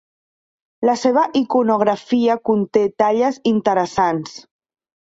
La seva iconografia conté talles interessants.